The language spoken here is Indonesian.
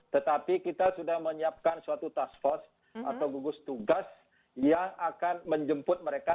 tetapi kita sudah menyiapkan suatu task force atau gugus tugas yang akan menjemput mereka